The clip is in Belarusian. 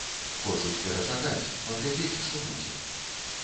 Хочуць перачакаць, паглядзець, што будзе.